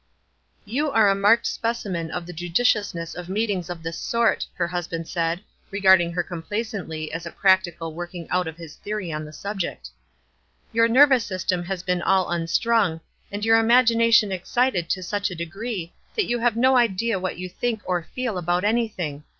" You are a marked specimen of the judicious ness of meetings of this sort," her husband said, regarding her complacently as a practical work ing out of his theory on the subject. "Your nervous system has been all unstrung, and your imagination excited to such a degree that you have no idea what you think or feel about any thing.